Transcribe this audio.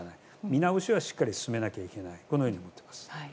見直しはしっかり進めなければならないと思っています。